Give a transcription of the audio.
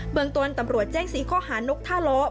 เมืองต้นตำรวจแจ้ง๔ข้อหานกท่าล้อ